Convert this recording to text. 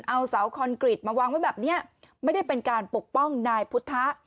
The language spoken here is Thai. เอาเสาคอนกรีตมาวางไว้แบบนี้ไม่ได้เป็นการปกป้องนายพุทธะ